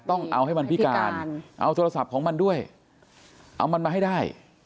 ต้องเอาให้มันพิการเอาโทรศัพท์ของมันด้วยเอามันมาให้ได้